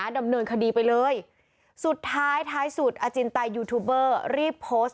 ดำเนินคดีไปเลยสุดท้ายท้ายสุดอาจินตายยูทูบเบอร์รีบโพสต์